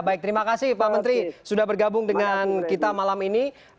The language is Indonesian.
baik terima kasih pak menteri sudah bergabung dengan kita malam ini